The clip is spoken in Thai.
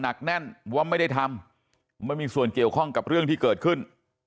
หนักแน่นว่าไม่ได้ทำไม่มีส่วนเกี่ยวข้องกับเรื่องที่เกิดขึ้น